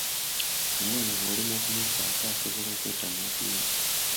Omwana bw'olemwa okumufaako asobola okwetamwa okuyiga.